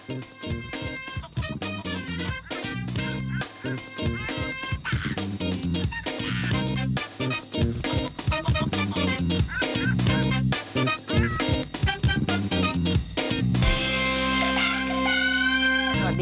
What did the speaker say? อุปการณ์ช่วงจบ